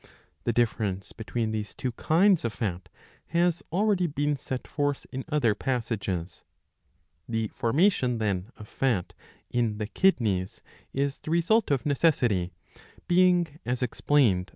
The difference between these two kinds of fat has already been set forth in other passages.^^ The formation, then, of fat in the kidneys is the result of necessity ; being, as explained, .